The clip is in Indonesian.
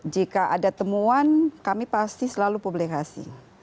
jika ada temuan kami pasti selalu publikasi